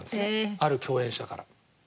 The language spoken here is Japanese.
ある共演者から。